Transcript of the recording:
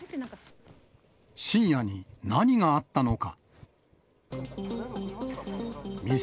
深夜に何があったのか。